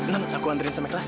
non aku antriin sama kelas